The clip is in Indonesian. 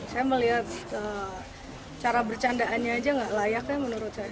saya melihat cara bercandaannya aja gak layaknya menurut saya